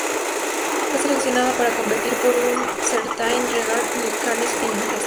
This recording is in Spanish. Fue seleccionada para competir por Un Certain Regard en el Cannes Film Festival.